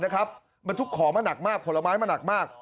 บรรทุกของมาหนักมากผลไม้มาหนักมาก